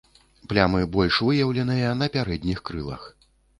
Плямы больш выяўленыя на пярэдніх крылах.